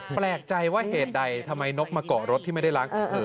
แปลกใจว่าเหตุใดทำไมนกมาเกาะรถที่ไม่ได้ล้าง